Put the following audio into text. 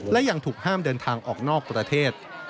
และยังถูกห้ามเดินทางออกนอกประเทศ